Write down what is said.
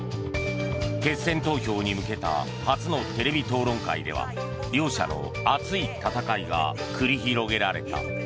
決選投票に向けた初のテレビ討論会では両者の熱い戦いが繰り広げられた。